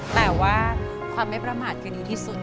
แปลว่าความไม่ประมาทเป็นอยู่ที่สุด